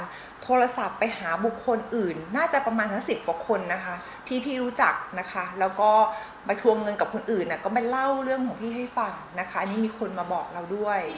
ก็โทรศัพท์ไปหาบุคคลอื่นน่าจะประมาณทั้งสิบกว่าคนนะคะที่พี่รู้จักนะคะแล้วก็ไปทวงเงินกับคนอื่นก็มาเล่าเรื่องของพี่ให้ฟังนะคะอันนี้มีคนมาบอกเราด้วย